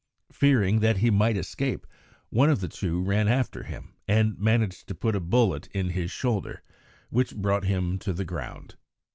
Fearing that he might escape, one of the two ran after him and managed to put a bullet in his shoulder, which brought him to the ground.